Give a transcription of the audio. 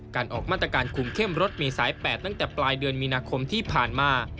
ออกมาตรการคุมเข้มรถเมษาย๘ตั้งแต่ปลายเดือนมีนาคมที่ผ่านมา